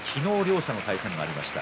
昨日、対戦がありました。